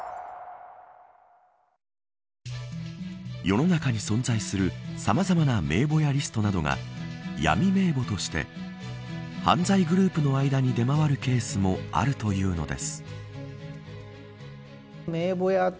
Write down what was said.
世の中に存在するさまざまな名簿やリストなどが闇名簿として犯罪グループの間に出回るケースもあるというのです。